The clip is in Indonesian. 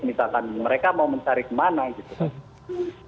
misalkan mereka mau mencari kemana gitu kan